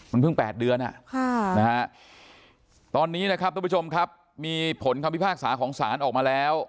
มันเพิ่ง๘เดือนตอนนี้นะครับทุกผู้ชมครับมีผลคำพิพากษาของศาลออกมาแล้ว